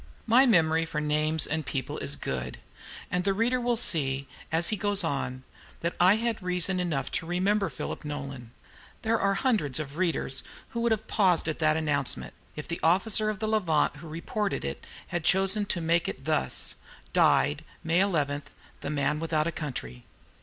My memory for names and people is good, and the reader will see, as he goes on, that I had reason enough to remember Philip Nolan. There are hundreds of readers who would have paused at that announcement, if the officer of the "Levant" who reported it had chosen to make it thus: "Died, May 11, THE MAN WITHOUT A COUNTRY."